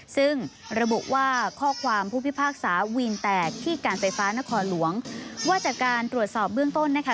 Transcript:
ซึ่งระบุว่าข้อความผู้พิพากษาวีนแตกที่การไฟฟ้านครหลวงว่าจากการตรวจสอบเบื้องต้นนะคะ